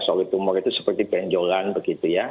solid tumor itu seperti benjolan begitu ya